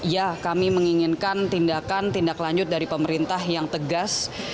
ya kami menginginkan tindakan tindak lanjut dari pemerintah yang tegas